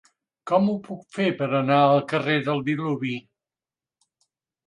Com ho puc fer per anar al carrer del Diluvi?